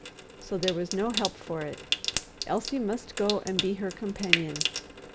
So there was no help for it: Elsie must go and be her companion.